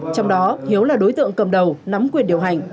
trong đó hiếu là đối tượng cầm đầu nắm quyền điều hành